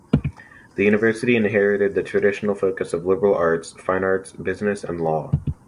The university inherited the traditional focus of liberal arts, fine arts, business and law.